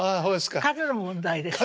数の問題です。